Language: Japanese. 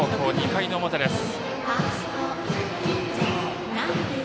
２回の表です。